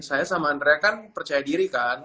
saya sama andrea kan percaya diri kan